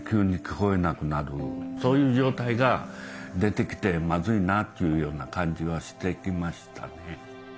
そういう状態が出てきてまずいなっていうような感じはしてきましたね。